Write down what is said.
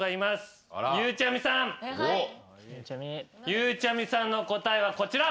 ゆうちゃみさんの答えはこちら。